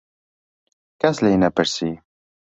کەس لێی نەپرسی.